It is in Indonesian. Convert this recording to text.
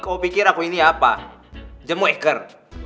kau pikir aku ini apa jemweker